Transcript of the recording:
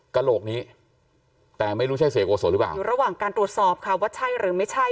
กระโหลกนี้แต่ไม่รู้ใช่เสียโกศหรือเปล่าอยู่ระหว่างการตรวจสอบค่ะว่าใช่หรือไม่ใช่